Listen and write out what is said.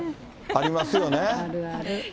ありますよね。